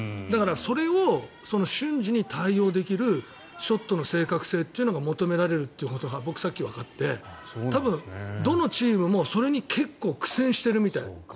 だからそれを瞬時に対応できるショットの正確性というのが求められるということが僕、さっきわかって多分、どのチームもそれに結構苦戦してるみたい。